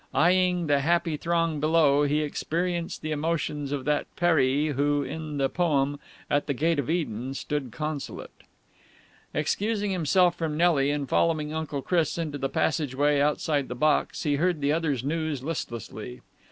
Eyeing the happy throng below, he experienced the emotions of that Peri who, in the poem, "at the gate of Eden stood disconsolate." Excusing himself from Nelly and following Uncle Chris into the passage way outside the box, he heard the other's news listlessly.